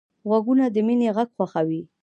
غوږونه د مینې غږ خوښوي